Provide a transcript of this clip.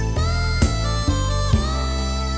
อย่าสวัสดีครับ